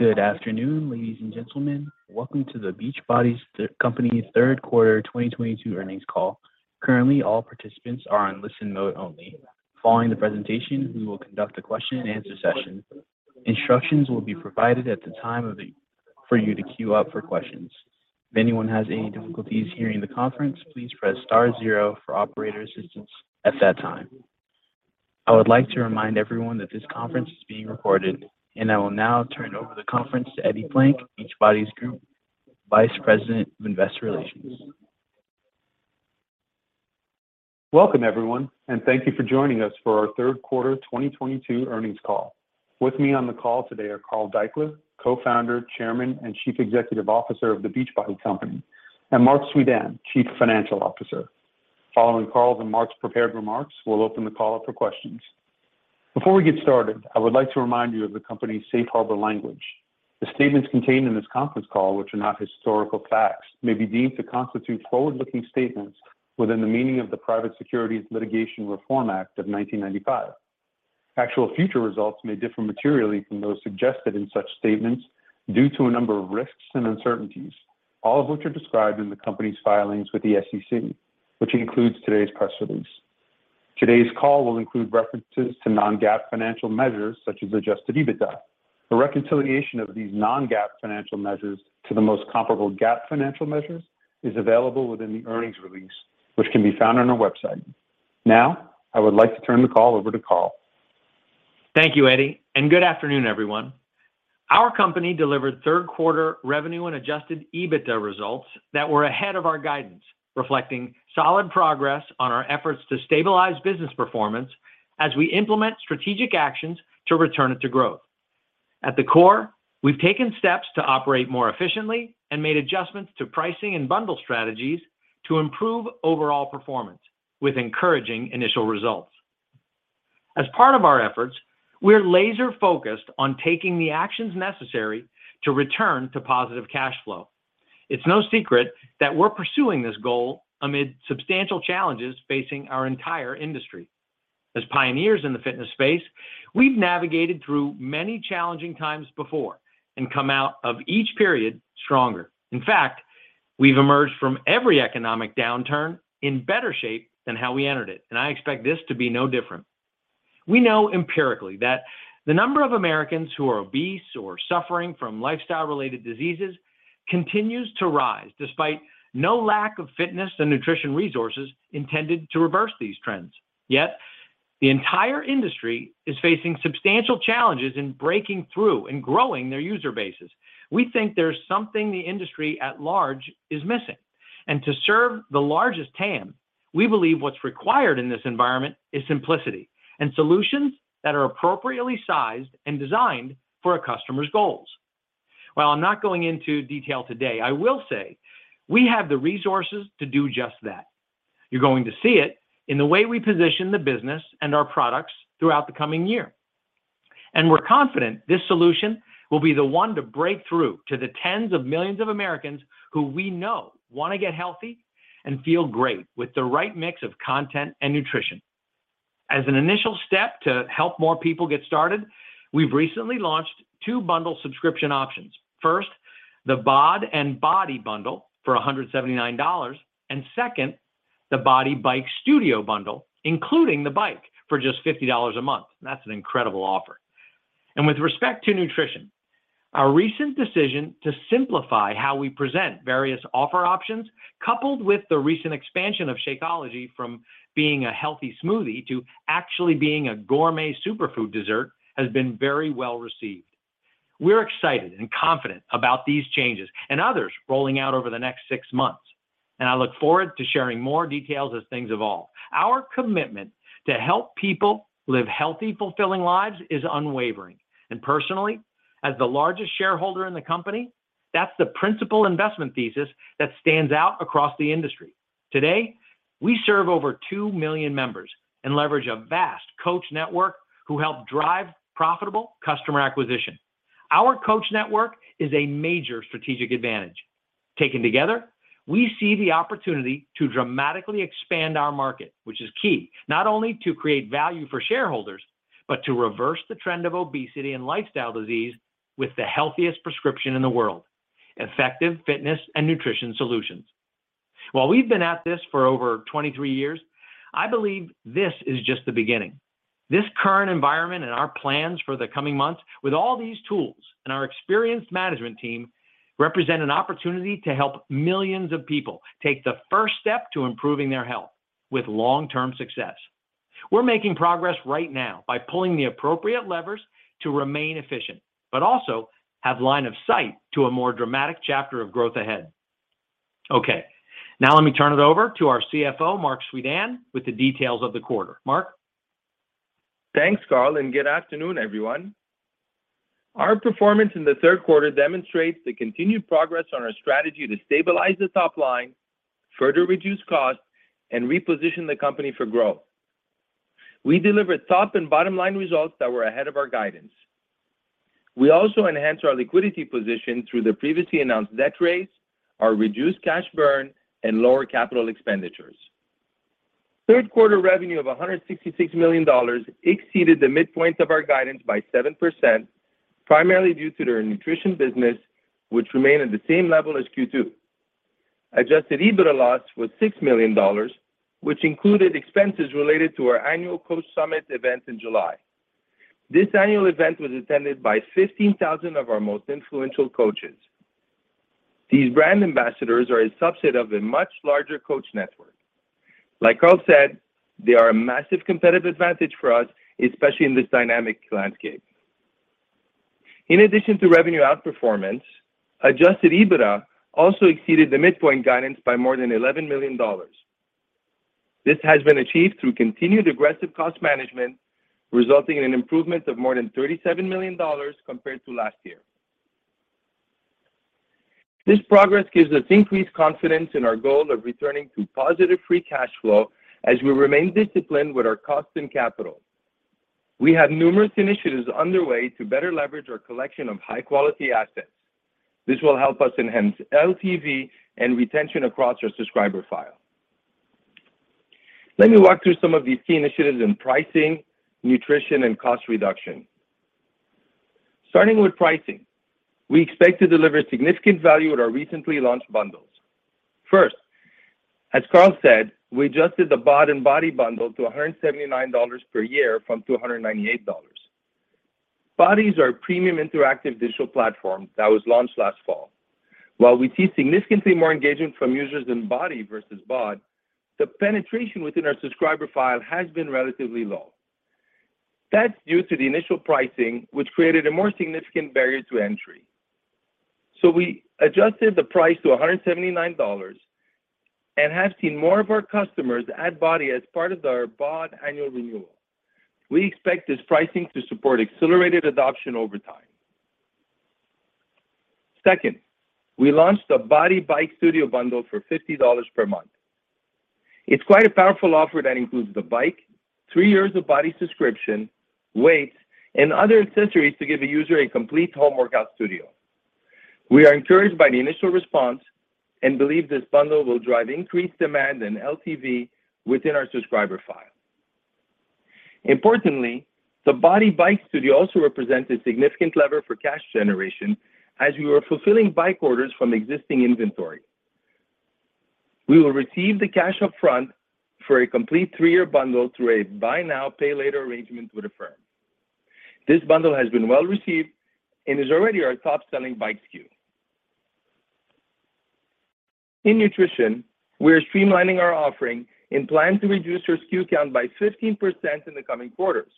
Good afternoon ladies and gentlemen. Welcome to The Beachbody Company's Third Quarter 2022 Earnings Call. Currently, all participants are on listen mode only. Following the presentation, we will conduct a question-and-answer session. Instructions will be provided for you to queue up for questions. If anyone has any difficulties hearing the conference, please press star zero for operator assistance at that time. I would like to remind everyone that this conference is being recorded and I will now turn over the conference to Eddie Plank, The Beachbody Company's Group Vice President of Investor Relations. Welcome everyone and thank you for joining us for our third quarter 2022 earnings call. With me on the call today are Carl Daikeler, Co-Founder, Chairman, and Chief Executive Officer of The Beachbody Company, and Marc Suidan, Chief Financial Officer. Following Carl's and Marc's prepared remarks, we'll open the call up for questions. Before we get started, I would like to remind you of the company's safe harbor language. The statements contained in this conference call, which are not historical facts, may be deemed to constitute forward-looking statements within the meaning of the Private Securities Litigation Reform Act of 1995. Actual future results may differ materially from those suggested in such statements due to a number of risks and uncertainties, all of which are described in the company's filings with the SEC, which includes today's press release. Today's call will include references to non-GAAP financial measures such as Adjusted EBITDA. A reconciliation of these non-GAAP financial measures to the most comparable GAAP financial measures is available within the earnings release, which can be found on our website. Now, I would like to turn the call over to Carl. Thank you Eddie and good afternoon everyone. Our company delivered third quarter revenue and Adjusted EBITDA results that were ahead of our guidance, reflecting solid progress on our efforts to stabilize business performance as we implement strategic actions to return it to growth. At the core, we've taken steps to operate more efficiently and made adjustments to pricing and bundle strategies to improve overall performance with encouraging initial results. As part of our efforts, we're laser-focused on taking the actions necessary to return to positive cash flow. It's no secret that we're pursuing this goal amid substantial challenges facing our entire industry. As pioneers in the fitness space, we've navigated through many challenging times before and come out of each period stronger. In fact, we've emerged from every economic downturn in better shape than how we entered it, and I expect this to be no different. We know empirically that the number of Americans who are obese or suffering from lifestyle-related diseases continues to rise despite no lack of fitness and nutrition resources intended to reverse these trends. Yet, the entire industry is facing substantial challenges in breaking through and growing their user bases. We think there's something the industry at large is missing. To serve the largest TAM, we believe what's required in this environment is simplicity and solutions that are appropriately sized and designed for a customer's goals. While I'm not going into detail today, I will say we have the resources to do just that. You're going to see it in the way we position the business and our products throughout the coming year. We're confident this solution will be the one to break through to the tens of millions of Americans who we know wanna get healthy and feel great with the right mix of content and nutrition. As an initial step to help more people get started, we've recently launched two bundle subscription options. First, the BOD and BODi bundle for $179, and second, the BODi Bike Studio bundle, including the bike for just $50 a month, that's an incredible offer. With respect to nutrition, our recent decision to simplify how we present various offer options, coupled with the recent expansion of Shakeology from being a healthy smoothie to actually being a gourmet superfood dessert, has been very well-received. We're excited and confident about these changes and others rolling out over the next six months, and I look forward to sharing more details as things evolve. Our commitment to help people live healthy, fulfilling lives is unwavering, and personally, as the largest shareholder in the company, that's the principal investment thesis that stands out across the industry. Today, we serve over 2 million members and leverage a vast Coach network who help drive profitable customer acquisition. Our Coach network is a major strategic advantage. Taken together, we see the opportunity to dramatically expand our market, which is key, not only to create value for shareholders, but to reverse the trend of obesity and lifestyle disease with the healthiest prescription in the world, effective fitness and nutrition solutions. While we've been at this for over 23 years, I believe this is just the beginning. This current environment and our plans for the coming months with all these tools and our experienced management team represent an opportunity to help millions of people take the first step to improving their health with long-term success. We're making progress right now by pulling the appropriate levers to remain efficient, but also have line of sight to a more dramatic chapter of growth ahead. Okay. Now let me turn it over to our CFO, Marc Suidan, with the details of the quarter. Marc? Thanks Carl and good afternoon everyone. Our performance in the third quarter demonstrates the continued progress on our strategy to stabilize the top line, further reduce costs, and reposition the company for growth. We delivered top and bottom line results that were ahead of our guidance. We also enhanced our liquidity position through the previously announced debt raise, our reduced cash burn, and lower capital expenditures. Third quarter revenue of $166 million exceeded the midpoint of our guidance by 7%, primarily due to the nutrition business, which remained at the same level as Q2. Adjusted EBITDA loss was $6 million, which included expenses related to our annual Coach Summit event in July. This annual event was attended by 15,000 of our most influential coaches. These brand ambassadors are a subset of a much larger coach network. Like Carl said, they are a massive competitive advantage for us, especially in this dynamic landscape. In addition to revenue outperformance, adjusted EBITDA also exceeded the midpoint guidance by more than $11 million. This has been achieved through continued aggressive cost management, resulting in an improvement of more than $37 million compared to last year. This progress gives us increased confidence in our goal of returning to positive free cash flow as we remain disciplined with our cost and capital. We have numerous initiatives underway to better leverage our collection of high-quality assets. This will help us enhance LTV and retention across our subscriber file. Let me walk through some of these key initiatives in pricing, nutrition, and cost reduction. Starting with pricing, we expect to deliver significant value at our recently launched bundles. First, as Carl said, we adjusted the BOD and BODi bundle to $179 per year from $298. BODi is our premium interactive digital platform that was launched last fall. While we see significantly more engagement from users in BODi versus BOD, the penetration within our subscriber file has been relatively low. That's due to the initial pricing, which created a more significant barrier to entry. We adjusted the price to $179 and have seen more of our customers add BODi as part of their BOD annual renewal. We expect this pricing to support accelerated adoption over time. Second, we launched a BODi Bike Studio bundle for $50 per month. It's quite a powerful offer that includes the bike, three years of BODi subscription, weights, and other accessories to give the user a complete home workout studio. We are encouraged by the initial response and believe this bundle will drive increased demand and LTV within our subscriber file. Importantly, the BODi Bike Studio also represents a significant lever for cash generation as we are fulfilling bike orders from existing inventory. We will receive the cash up front for a complete three-year bundle through a buy now, pay later arrangement with a firm. This bundle has been well-received and is already our top-selling bike SKU. In nutrition, we're streamlining our offering and plan to reduce our SKU count by 15% in the coming quarters.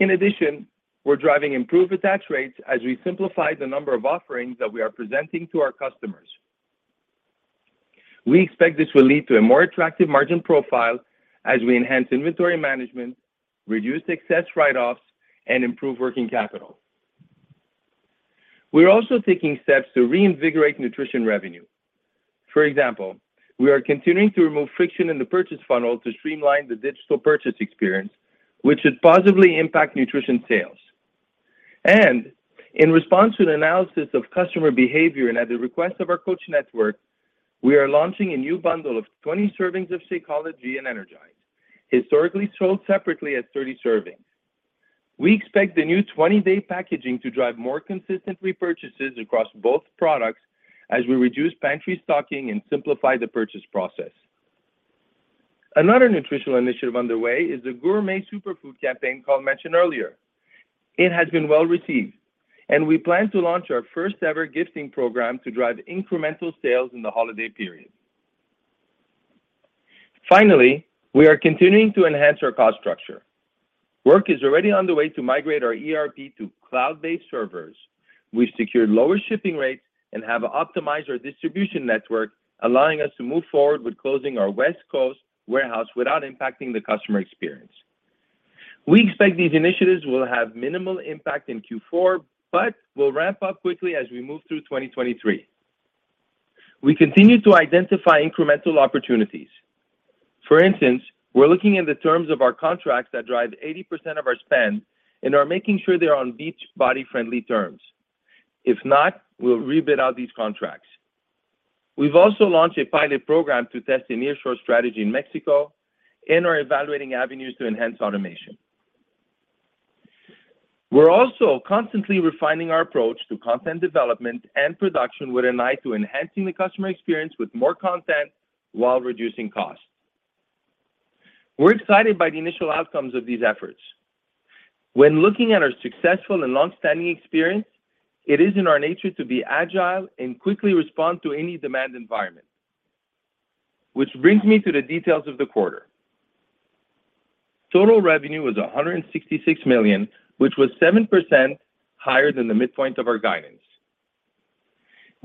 In addition, we're driving improved attach rates as we simplify the number of offerings that we are presenting to our customers. We expect this will lead to a more attractive margin profile as we enhance inventory management, reduce excess write-offs, and improve working capital. We're also taking steps to reinvigorate nutrition revenue. For example, we are continuing to remove friction in the purchase funnel to streamline the digital purchase experience, which should positively impact nutrition sales. In response to the analysis of customer behavior and at the request of our coach network, we are launching a new bundle of 20 servings of Shakeology and Energize, historically sold separately as 30 servings. We expect the new 20-day packaging to drive more consistent repurchases across both products as we reduce pantry stocking and simplify the purchase process. Another nutritional initiative underway is the gourmet superfood campaign Carl mentioned earlier. It has been well-received, and we plan to launch our first-ever gifting program to drive incremental sales in the holiday period. Finally, we are continuing to enhance our cost structure. Work is already underway to migrate our ERP to cloud-based servers. We've secured lower shipping rates and have optimized our distribution network, allowing us to move forward with closing our West Coast warehouse without impacting the customer experience. We expect these initiatives will have minimal impact in Q4, but will ramp up quickly as we move through 2023. We continue to identify incremental opportunities. For instance, we're looking at the terms of our contracts that drive 80% of our spend and are making sure they're on Beachbody-friendly terms. If not, we'll rebid out these contracts. We've also launched a pilot program to test a nearshore strategy in Mexico and are evaluating avenues to enhance automation. We're also constantly refining our approach to content development and production with an eye to enhancing the customer experience with more content while reducing costs. We're excited by the initial outcomes of these efforts. When looking at our successful and long-standing experience, it is in our nature to be agile and quickly respond to any demand environment. Which brings me to the details of the quarter. Total revenue was $166 million, which was 7% higher than the midpoint of our guidance.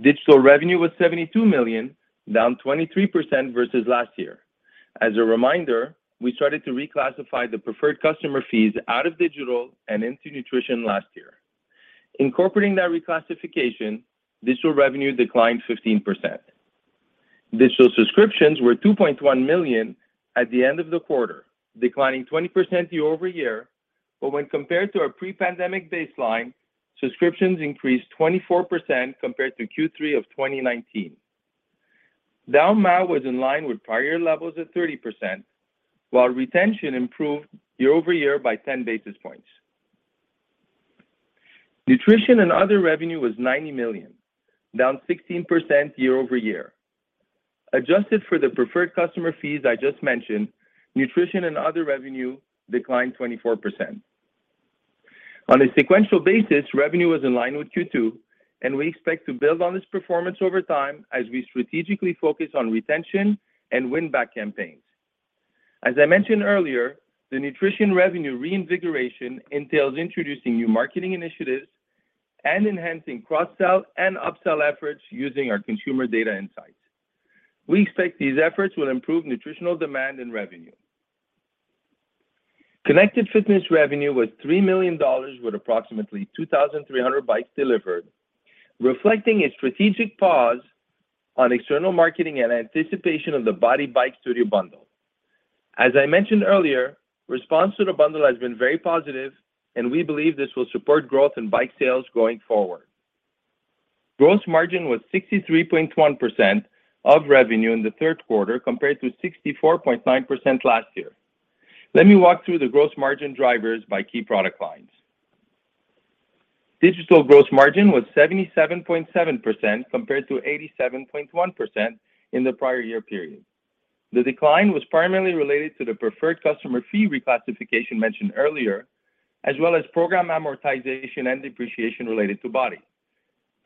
Digital revenue was $72 million, down 23% versus last year. As a reminder, we started to reclassify the preferred customer fees out of digital and into nutrition last year. Incorporating that reclassification, digital revenue declined 15%. Digital subscriptions were 2.1 million at the end of the quarter, declining 20% year-over-year. When compared to our pre-pandemic baseline, subscriptions increased 24% compared to Q3 of 2019. Down now was in line with prior levels of 30%, while retention improved year-over-year by 10 basis points. Nutrition and other revenue was $90 million, down 16% year-over-year. Adjusted for the preferred customer fees I just mentioned, nutrition and other revenue declined 24%. On a sequential basis, revenue was in line with Q2, and we expect to build on this performance over time as we strategically focus on retention and win-back campaigns. As I mentioned earlier, the nutrition revenue reinvigoration entails introducing new marketing initiatives and enhancing cross-sell and upsell efforts using our consumer data insights. We expect these efforts will improve nutritional demand and revenue. Connected Fitness revenue was $3 million with approximately 2,300 bikes delivered, reflecting a strategic pause on external marketing and anticipation of the BODi Bike Studio bundle. As I mentioned earlier, response to the bundle has been very positive and we believe this will support growth in bike sales going forward. Gross margin was 63.1% of revenue in the third quarter, compared to 64.9% last year. Let me walk through the gross margin drivers by key product lines. Digital gross margin was 77.7% compared to 87.1% in the prior year period. The decline was primarily related to the preferred customer fee reclassification mentioned earlier, as well as program amortization and depreciation related to BODi.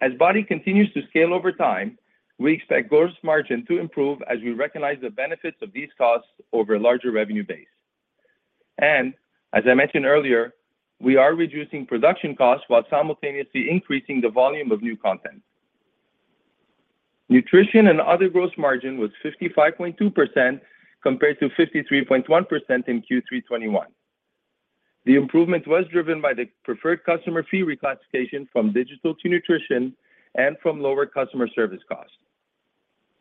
As BODi continues to scale over time, we expect gross margin to improve as we recognize the benefits of these costs over a larger revenue base. As I mentioned earlier, we are reducing production costs while simultaneously increasing the volume of new content. Nutrition and other gross margin was 55.2% compared to 53.1% in Q3 2021. The improvement was driven by the preferred customer fee reclassification from digital to nutrition and from lower customer service costs.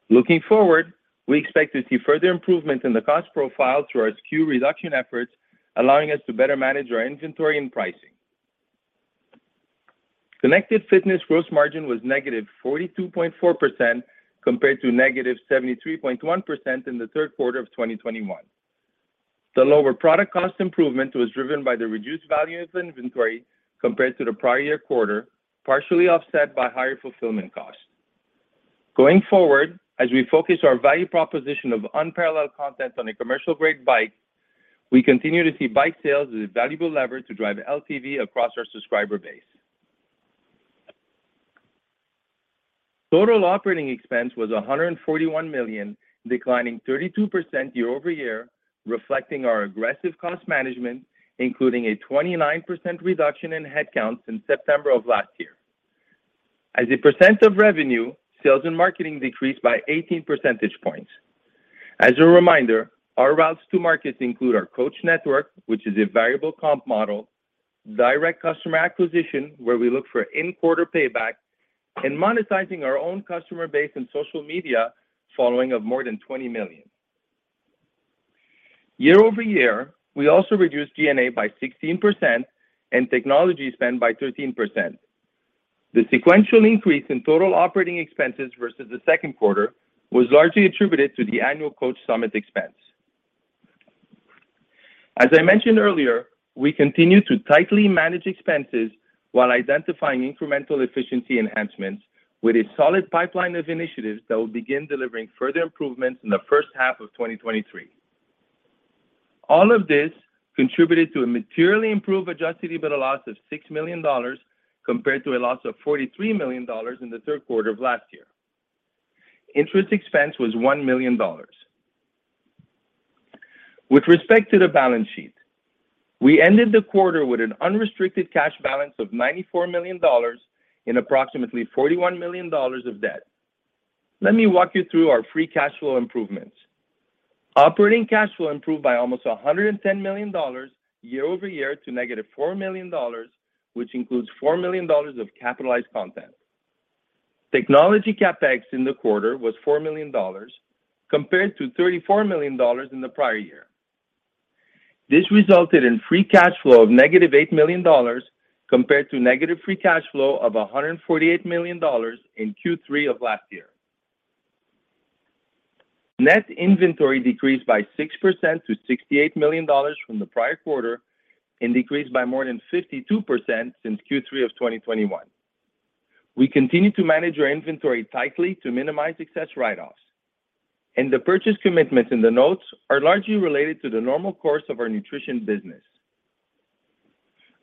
Looking forward, we expect to see further improvement in the cost profile through our SKU reduction efforts, allowing us to better manage our inventory and pricing. Connected Fitness gross margin was -42.4% compared to -73.1% in the third quarter of 2021. The lower product cost improvement was driven by the reduced value of the inventory compared to the prior year quarter, partially offset by higher fulfillment costs. Going forward, as we focus our value proposition of unparalleled content on a commercial-grade bike, we continue to see bike sales as a valuable lever to drive LTV across our subscriber base. Total operating expense was $141 million, declining 32% year-over-year, reflecting our aggressive cost management, including a 29% reduction in headcounts in September of last year. As a percent of revenue, sales and marketing decreased by 18 percentage points. As a reminder, our routes to markets include our coach network, which is a variable comp model, direct customer acquisition, where we look for in-quarter payback, and monetizing our own customer base and social media following of more than 20 million. Year-over-year, we also reduced G&A by 16% and technology spend by 13%. The sequential increase in total operating expenses versus the second quarter was largely attributed to the annual Coach Summit expense. As I mentioned earlier, we continue to tightly manage expenses while identifying incremental efficiency enhancements with a solid pipeline of initiatives that will begin delivering further improvements in the first half of 2023. All of this contributed to a materially improved Adjusted EBITDA loss of $6 million compared to a loss of $43 million in the third quarter of last year. Interest expense was $1 million. With respect to the balance sheet, we ended the quarter with an unrestricted cash balance of $94 million and approximately $41 million of debt. Let me walk you through our free cash flow improvements. Operating cash flow improved by almost $110 million year-over-year to -$4 million, which includes $4 million of capitalized content. Technology CapEx in the quarter was $4 million compared to $34 million in the prior year. This resulted in free cash flow of -$8 million compared to negative free cash flow of $148 million in Q3 of last year. Net inventory decreased by 6% to $68 million from the prior quarter and decreased by more than 52% since Q3 of 2021. We continue to manage our inventory tightly to minimize excess write-offs, and the purchase commitments in the notes are largely related to the normal course of our nutrition business.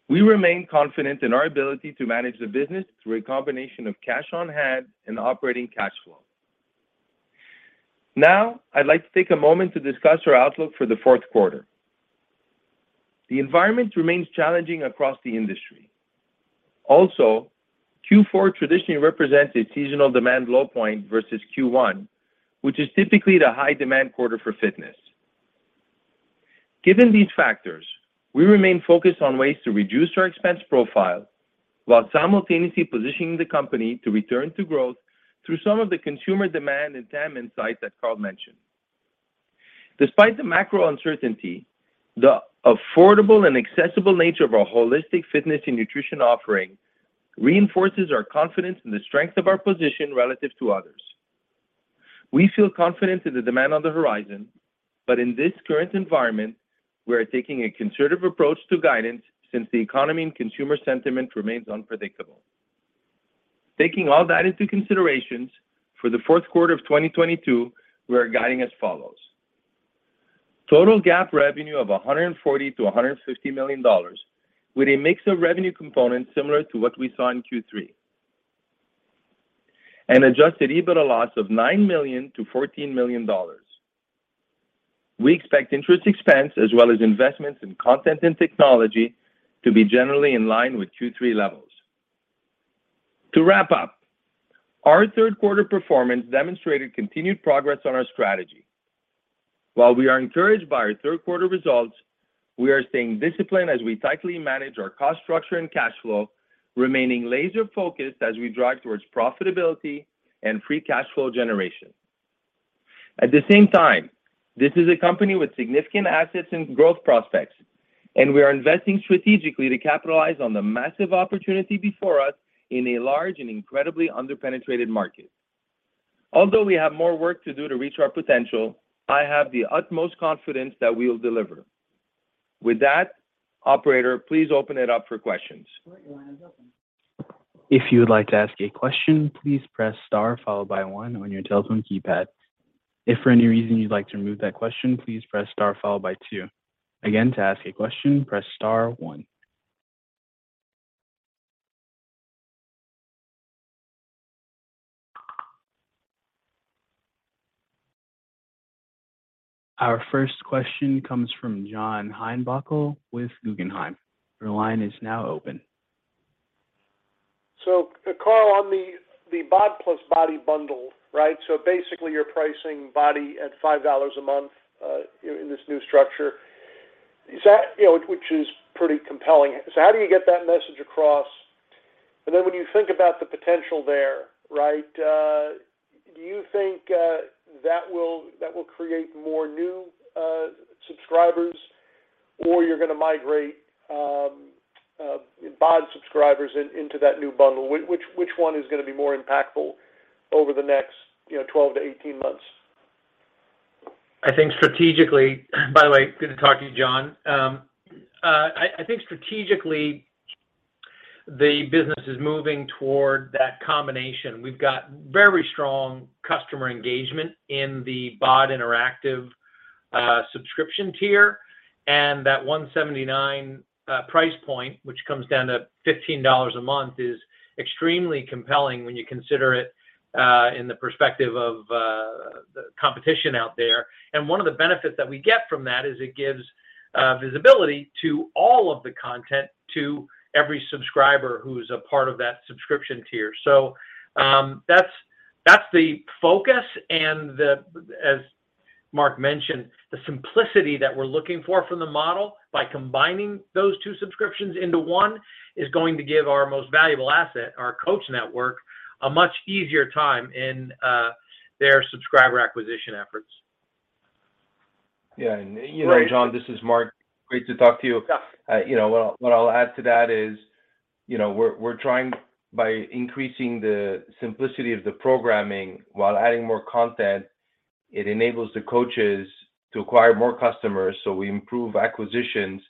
We remain confident in our ability to manage the business through a combination of cash on hand and operating cash flow. Now, I'd like to take a moment to discuss our outlook for the fourth quarter. The environment remains challenging across the industry. Also, Q4 traditionally represents a seasonal demand low point versus Q1, which is typically the high demand quarter for fitness. Given these factors, we remain focused on ways to reduce our expense profile while simultaneously positioning the company to return to growth through some of the consumer demand and TAM insights that Carl mentioned. Despite the macro uncertainty, the affordable and accessible nature of our holistic fitness and nutrition offering reinforces our confidence in the strength of our position relative to others. We feel confident in the demand on the horizon, but in this current environment, we are taking a conservative approach to guidance since the economy and consumer sentiment remains unpredictable. Taking all that into consideration, for the fourth quarter of 2022, we are guiding as follows: Total GAAP revenue of $140 million-$150 million with a mix of revenue components similar to what we saw in Q3. An adjusted EBITDA loss of $9 million-$14 million. We expect interest expense as well as investments in content and technology to be generally in line with Q3 levels. To wrap up, our third quarter performance demonstrated continued progress on our strategy. While we are encouraged by our third quarter results, we are staying disciplined as we tightly manage our cost structure and cash flow, remaining laser-focused as we drive towards profitability and free cash flow generation. At the same time, this is a company with significant assets and growth prospects, and we are investing strategically to capitalize on the massive opportunity before us in a large and incredibly under-penetrated market. Although we have more work to do to reach our potential, I have the utmost confidence that we will deliver. With that, operator please open it up for questions. If you would like to ask a question, please press star followed by one on your telephone keypad. If for any reason you'd like to remove that question, please press star followed by two. Again, to ask a question, press star one. Our first question comes from John Heinbockel with Guggenheim. Your line is now open. Carl, on the BOD plus BODi bundle, right? Basically you're pricing BODi at $5 a month in this new structure. Is that? You know, which is pretty compelling. How do you get that message across? Then when you think about the potential there, right, do you think that will create more new subscribers or you're gonna migrate BOD subscribers into that new bundle? Which one is gonna be more impactful over the next 12-18 months? By the way, good to talk to you John. I think strategically, the business is moving toward that combination. We've got very strong customer engagement in the BODi active subscription tier, and that 179 price point, which comes down to $15 a month, is extremely compelling when you consider it in the perspective of the competition out there. One of the benefits that we get from that is it gives visibility to all of the content to every subscriber who's a part of that subscription tier. That's the focus and the, as Marc mentioned, the simplicity that we're looking for from the model by combining those two subscriptions into one, is going to give our most valuable asset, our coach network, a much easier time in their subscriber acquisition efforts. Yeah. You know John, this is Marc. Great to talk to you. Yeah. You know what I'll add to that is, you know, we're trying by increasing the simplicity of the programming while adding more content, it enables the coaches to acquire more customers, so we improve acquisitions.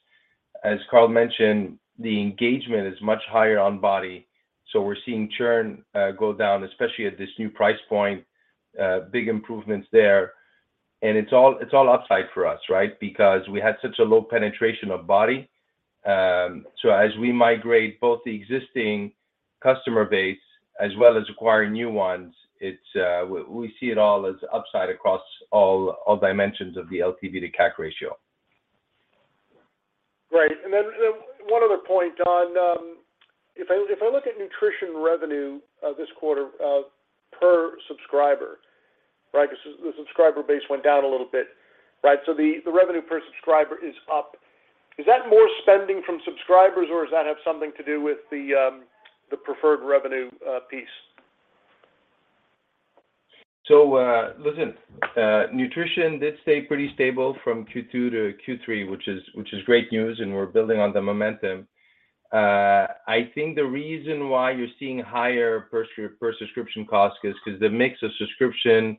As Carl mentioned, the engagement is much higher on BODi, so we're seeing churn go down, especially at this new price point, big improvements there. It's all upside for us, right? Because we had such a low penetration of BODi. As we migrate both the existing customer base as well as acquiring new ones, it's we see it all as upside across all dimensions of the LTV to CAC ratio. Right. One other point on if I look at nutrition revenue this quarter per subscriber right? 'Cause the subscriber base went down a little bit right? The revenue per subscriber is up. Is that more spending from subscribers or does that have something to do with the preferred revenue piece? Listen, nutrition did stay pretty stable from Q2 to Q3, which is great news and we're building on the momentum. I think the reason why you're seeing higher per subscription cost is 'cause the mix of subscription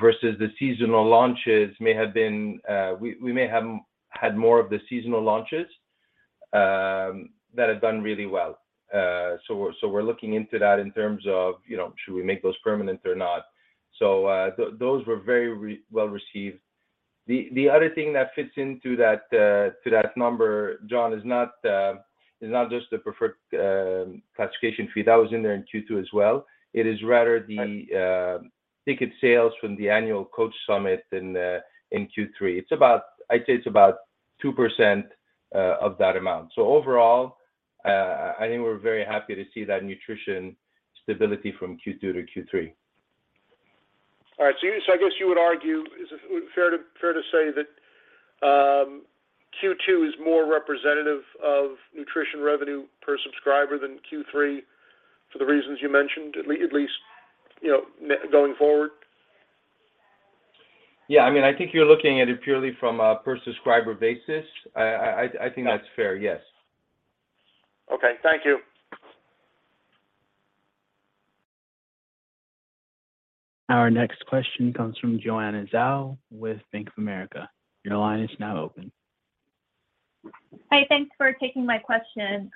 versus the seasonal launches may have been, we may have had more of the seasonal launches that have done really well. We're looking into that in terms of, you know, should we make those permanent or not. Those were very well received. The other thing that fits into that, to that number John, is not just the preferred customer fee that was in there in Q2 as well. It is rather the ticket sales from the annual Coach Summit in Q3. I'd say it's about 2% of that amount. Overall, I think we're very happy to see that nutrition stability from Q2 to Q3. All right. I guess you would argue. Is it fair to say that Q2 is more representative of nutrition revenue per subscriber than Q3 for the reasons you mentioned, at least, you know, going forward. Yeah. I mean, I think you're looking at it purely from a per subscriber basis. I think that's fair. Got it. Yes. Okay, thank you. Our next question comes from Joanna Zhou with Bank of America. Your line is now open. Hi. Thanks for taking my question.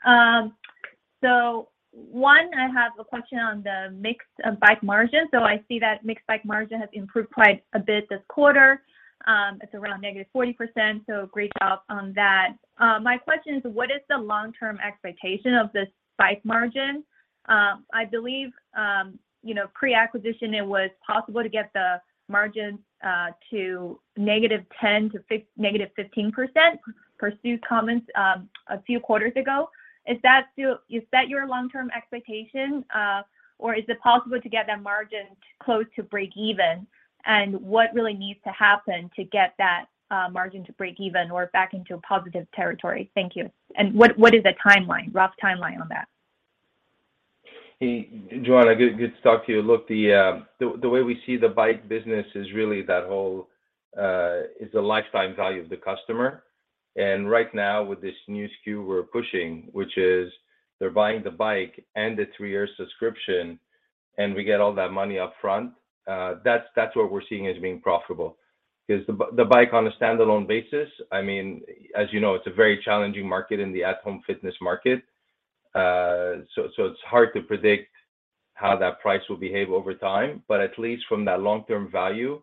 One, I have a question on the mix of bike margins. I see that mixed bike margin has improved quite a bit this quarter. It's around -40%, so great job on that. My question is, what is the long-term expectation of this bike margin? I believe, you know, pre-acquisition, it was possible to get the margin to -10% to -15% per sue comments a few quarters ago. Is that still your long-term expectation, or is it possible to get that margin close to breakeven? What really needs to happen to get that margin to breakeven or back into a positive territory? Thank you. What is the timeline, rough timeline on that? Hey Joanna Zhou, good to talk to you. Look, the way we see the bike business is really that whole is the lifetime value of the customer. Right now, with this new SKU we're pushing, which is they're buying the bike and the three-year subscription, and we get all that money upfront, that's what we're seeing as being profitable. 'Cause the bike on a standalone basis, I mean, as you know, it's a very challenging market in the at-home fitness market. It's hard to predict how that price will behave over time. At least from that long-term value,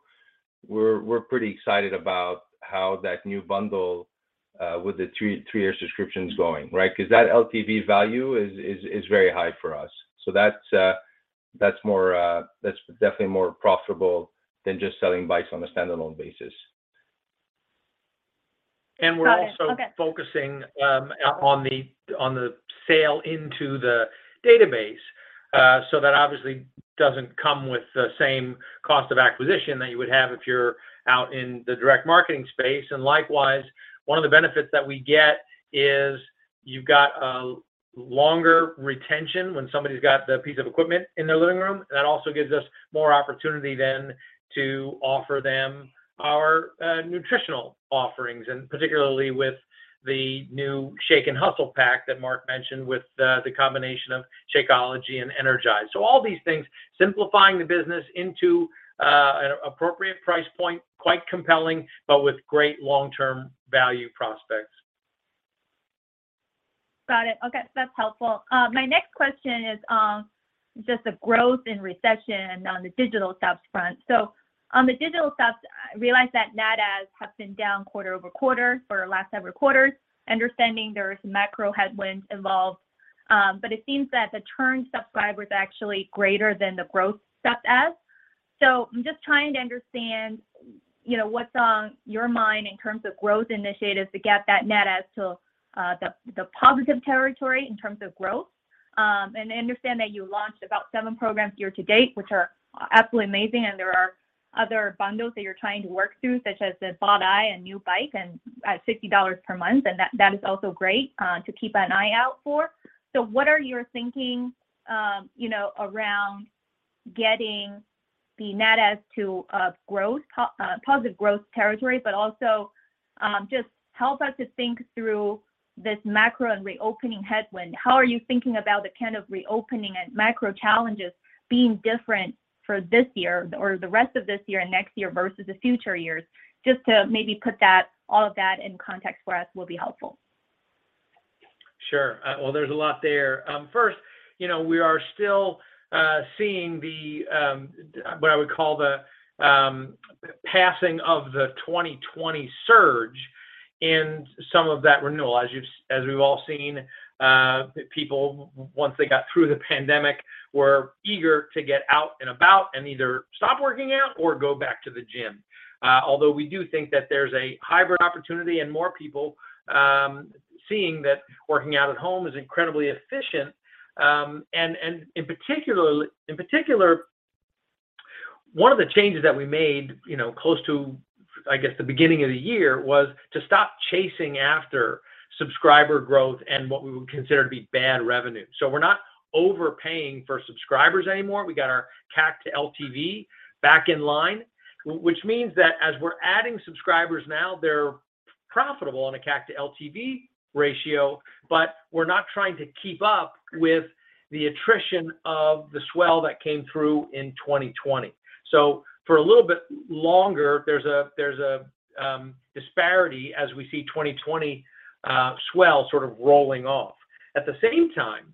we're pretty excited about how that new bundle with the three-year subscription is going, right? 'Cause that LTV value is very high for us that's definitely more profitable than just selling bikes on a standalone basis. And we're also— Got it. Okay focusing on the sale into the database. That obviously doesn't come with the same cost of acquisition that you would have if you're out in the direct marketing space. Likewise, one of the benefits that we get is you've got a longer retention when somebody's got the piece of equipment in their living room. That also gives us more opportunity then to offer them our nutritional offerings, and particularly with the new Shake & Hustle pack that Marc mentioned with the combination of Shakeology and Energize. All these things, simplifying the business into an appropriate price point, quite compelling, but with great long-term value prospects. Got it. Okay, that's helpful. My next question is on just the growth and retention on the digital subs front. On the digital subs, I realize that net adds have been down quarter-over-quarter for the last several quarters. Understanding there are some macro headwinds involved, but it seems that the churn subscribers are actually greater than the growth net adds. I'm just trying to understand, you know, what's on your mind in terms of growth initiatives to get that net adds to the positive territory in terms of growth? I understand that you launched about seven programs year to date, which are absolutely amazing, and there are other bundles that you're trying to work through, such as the BODi and new bike and $60 per month, and that is also great to keep an eye out for. What are your thinking, you know, around getting the net adds to a growth, positive growth territory, but also just help us to think through this macro and reopening headwind. How are you thinking about the kind of reopening and macro challenges being different for this year or the rest of this year and next year versus the future years? Just to maybe put that, all of that in context for us will be helpful. Sure. Well, there's a lot there. First, you know, we are still seeing the what I would call the passing of the 2020 surge in some of that renewal. As we've all seen, people, once they got through the pandemic, were eager to get out and about and either stop working out or go back to the gym. Although we do think that there's a hybrid opportunity and more people seeing that working out at home is incredibly efficient and in particular, one of the changes that we made, you know, close to, I guess, the beginning of the year, was to stop chasing after subscriber growth and what we would consider to be bad revenue. We're not overpaying for subscribers anymore. We got our CAC to LTV back in line, which means that as we're adding subscribers now, they're profitable on a CAC to LTV ratio, but we're not trying to keep up with the attrition of the swell that came through in 2020. For a little bit longer, there's a disparity as we see 2020 swell sort of rolling off. At the same time,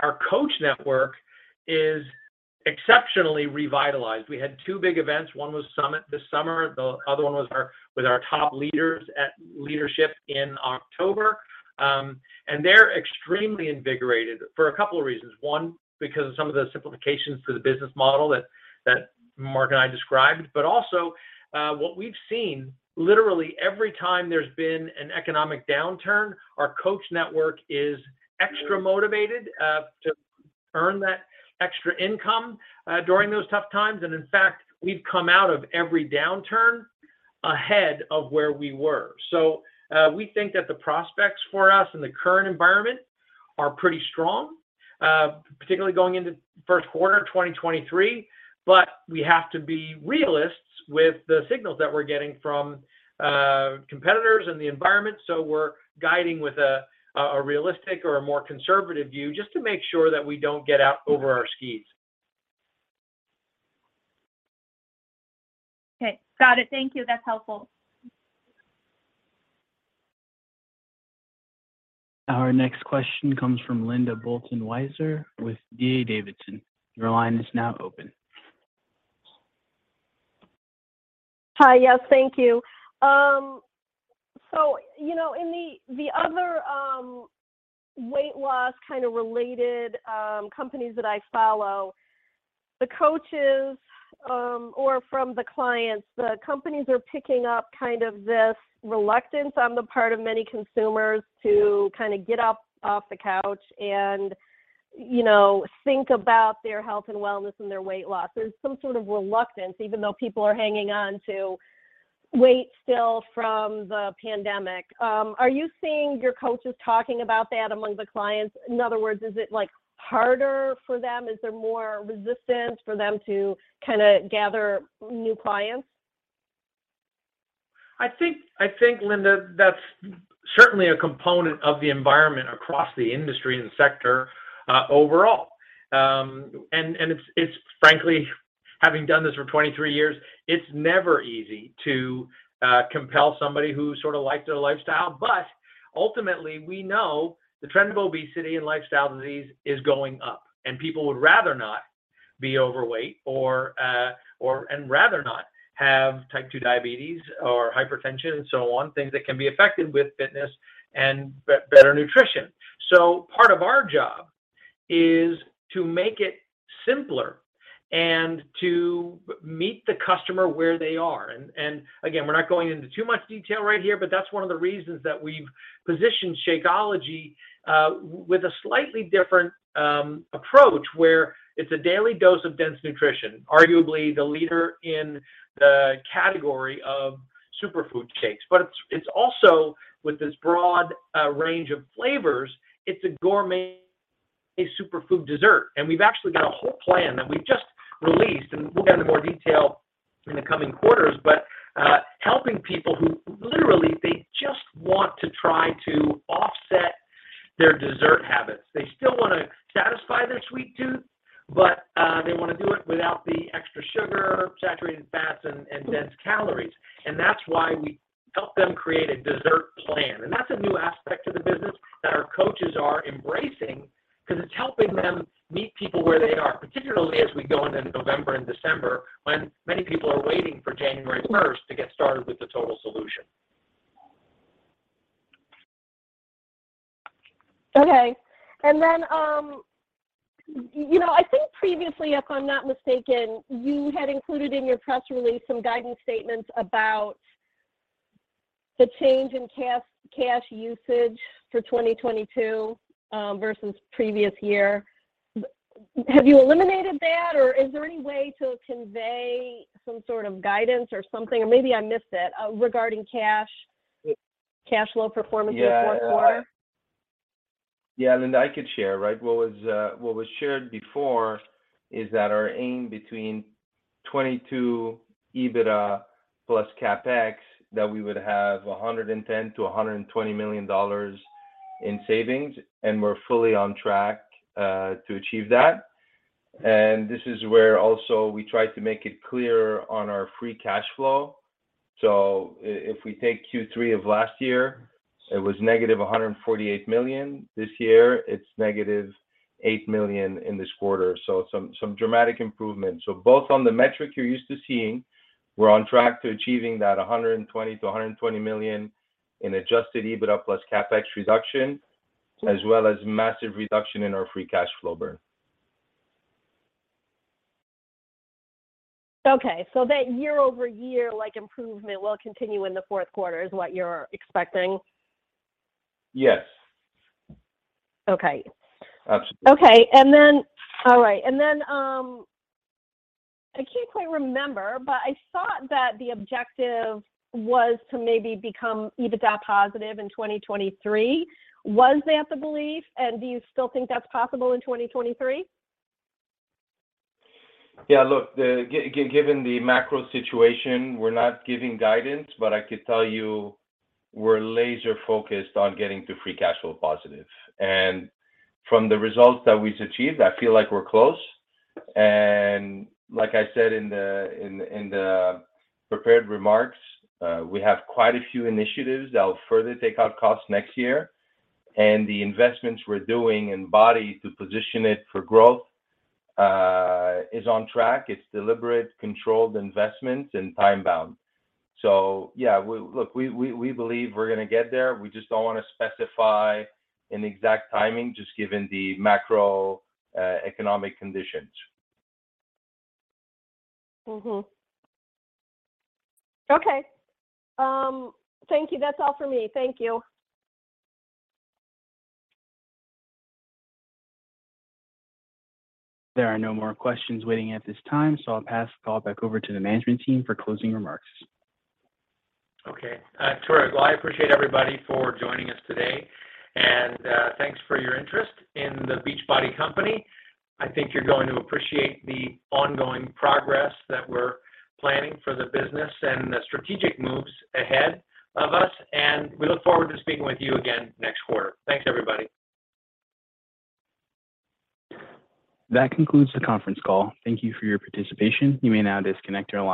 our coach network is exceptionally revitalized. We had two big events. One was Summit this summer the other one was our with our top leaders at Leadership in October. They're extremely invigorated for a couple of reasons. One, because of some of the simplifications to the business model that Marc and I described, but also, what we've seen literally every time there's been an economic downturn, our coach network is extra motivated to earn that extra income during those tough times. In fact, we've come out of every downturn ahead of where we were. We think that the prospects for us in the current environment are pretty strong, particularly going into first quarter of 2023. We have to be realists with the signals that we're getting from competitors in the environment, so we're guiding with a realistic or a more conservative view just to make sure that we don't get out over our skis. Okay. Got it, thank you that's helpful. Our next question comes from Linda Bolton Weiser with D.A. Davidson. Your line is now open. Hi. Yes, thank you. You know, in the other weight loss kind of related companies that I follow, the coaches or from the clients, the companies are picking up kind of this reluctance on the part of many consumers to kind of get up off the couch and, you know, think about their health and wellness and their weight loss. There's some sort of reluctance even though people are hanging on to weight still from the pandemic. Are you seeing your coaches talking about that among the clients? In other words, is it, like, harder for them? Is there more resistance for them to kinda gather new clients? I think Linda, that's certainly a component of the environment across the industry and sector, overall. And it's frankly, having done this for 23 years, it's never easy to compel somebody who sort of likes their lifestyle. Ultimately, we know the trend of obesity and lifestyle disease is going up, and people would rather not be overweight or, and rather not have type 2 diabetes or hypertension and so on, things that can be affected with fitness and better nutrition. Part of our job is to make it simpler and to meet the customer where they are. Again, we're not going into too much detail right here, but that's one of the reasons that we've positioned Shakeology with a slightly different approach where it's a daily dose of dense nutrition, arguably the leader in the category of superfood shakes. It's also with this broad range of flavors, it's a gourmet superfood dessert. We've actually got a whole plan that we've just released, and we'll get into more detail in the coming quarters. Helping people who literally, they just want to try to offset their dessert habits. They still wanna satisfy their sweet tooth, but they wanna do it without the extra sugar, saturated fats and dense calories that's why we help them create a dessert plan. That's a new aspect to the business that our coaches are embracing 'cause it's helping them meet people where they are, particularly as we go into November and December, when many people are waiting for January 1st to get started with the total solution. Okay. You know, I think previously, if I'm not mistaken, you had included in your press release some guidance statements about the change in cash usage for 2022 versus previous year. Have you eliminated that, or is there any way to convey some sort of guidance or something, or maybe I missed it regarding cash flow performance this fourth quarter? Yeah Linda, I could share, right? What was shared before is that our aim between 2022 EBITDA plus CapEx, that we would have $110 million-$120 million in savings, and we're fully on track to achieve that. This is where also we try to make it clear on our free cash flow. If we take Q3 of last year, it was -$148 million. This year, it's -$8 million in this quarter, so some dramatic improvement. Both on the metric you're used to seeing, we're on track to achieving that $120 million in Adjusted EBITDA plus CapEx reduction, as well as massive reduction in our free cash flow burn. Okay. That year-over-year like, improvement will continue in the fourth quarter is what you're expecting? Yes. Okay. Absolutely. I can't quite remember, but I thought that the objective was to maybe become EBITDA positive in 2023. Was that the belief? Do you still think that's possible in 2023? Yeah. Look, given the macro situation, we're not giving guidance, but I could tell you we're laser focused on getting to free cash flow positive. From the results that we've achieved, I feel like we're close. Like I said in the prepared remarks, we have quite a few initiatives that will further take out costs next year. The investments we're doing in BODi to position it for growth is on track. It's deliberate, controlled investments and time bound. Yeah, look, we believe we're gonna get there. We just don't wanna specify an exact timing, just given the macroeconomic conditions. Mm-hmm. Okay, thank you that's all for me. Thank you. There are no more questions waiting at this time, so I'll pass the call back over to the management team for closing remarks. Okay. Sure to well, I appreciate everybody for joining us today, and thanks for your interest in The Beachbody Company. I think you're going to appreciate the ongoing progress that we're planning for the business and the strategic moves ahead of us and we look forward to speaking with you again next quarter. Thanks, everybody. That concludes the conference call. Thank you for your participation. You may now disconnect your line.